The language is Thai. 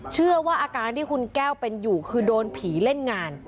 เชื่อว่าอาการที่คุณแก้วเป็นอยู่คือโดนผีเล่นงาน